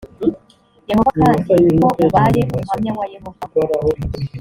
yehova kandi ko ubaye umuhamya wa yehova